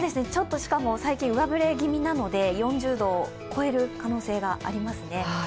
しかも最近上振れ気味なので４０度を超える可能性がありますね。